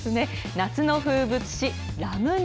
夏の風物詩ラムネ。